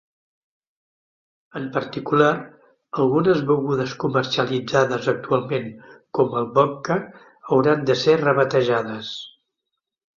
En particular, algunes begudes comercialitzades actualment com el vodka hauran de ser rebatejades.